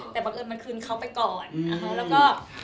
แต่บังเอิญมันคืนเขาไปก่อนนะคะแล้วก็